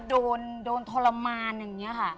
โดนโดนทรมานอย่างนี้ค่ะ